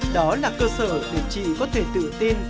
đó là cơ sở để chị có thể tự tin